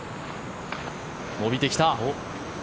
伸びてきた。